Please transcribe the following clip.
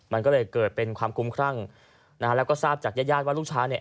มันก็เลยเกิดเป็นความคุ้มครั่งนะฮะแล้วก็ทราบจากญาติญาติว่าลูกชายเนี่ย